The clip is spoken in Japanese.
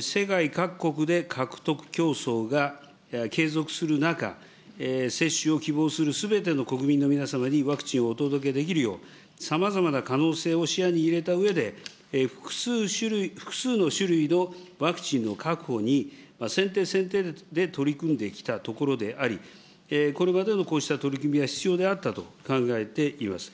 世界各国で獲得競争が継続する中、接種を希望するすべての国民の皆様にワクチンをお届けできるよう、さまざまな可能性を視野に入れたうえで、複数の種類のワクチンの確保に、先手先手で取り組んできたところであり、これまでのこうした取り組みは必要であったと考えています。